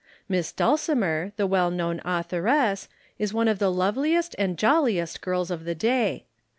Miss Dulcimer, the well known authoress, is one of the loveliest and jolliest girls of the day.